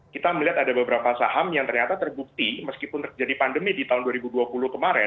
kita melihat ada beberapa saham yang ternyata terbukti meskipun terjadi pandemi di tahun dua ribu dua puluh kemarin